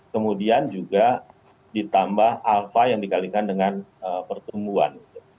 kemudian juga ditambah alfa yang dikalingkan dengan pertumbuhan